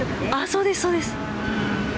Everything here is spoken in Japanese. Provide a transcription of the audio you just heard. そうです、そうです。